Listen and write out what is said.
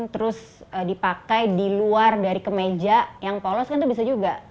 terus dipakai di luar dari kemeja yang polos kan itu bisa juga